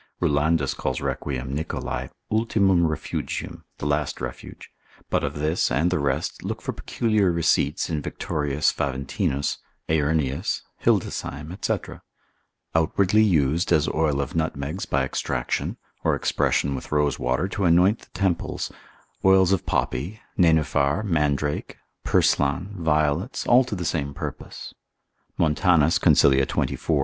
Rulandus calls Requiem Nicholai ultimum refugium, the last refuge; but of this and the rest look for peculiar receipts in Victorius Faventinus, cap. de phrensi. Heurnius cap. de mania. Hildesheim spicel. 4. de somno et vigil. &c. Outwardly used, as oil of nutmegs by extraction, or expression with rosewater to anoint the temples, oils of poppy, nenuphar, mandrake, purslan, violets, all to the same purpose. Montan. consil. 24 & 25.